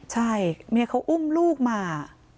ใช่เมียเขาอุ้มลูกมา